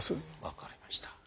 分かりました。